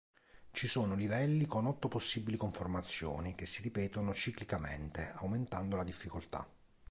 Ci sono livelli con otto possibili conformazioni che si ripetono ciclicamente, aumentando la difficoltà.